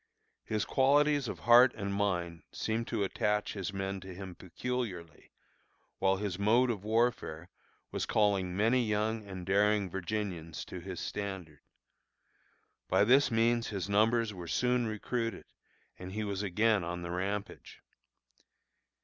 His qualities of heart and mind seemed to attach his men to him peculiarly, while his mode of warfare was calling many young and daring Virginians to his standard. By this means his numbers were soon recruited, and he was again on the rampage.